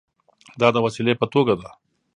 دا د وسیلې په توګه ده.